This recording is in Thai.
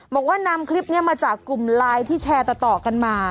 บอกว่านำคลิปนี้มาจากกลุ่มไลน์ที่แชร์ต่อกันมา